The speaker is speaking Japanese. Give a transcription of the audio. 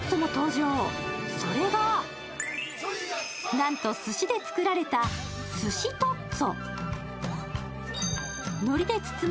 なんと、すしで作られたすしトッツォ。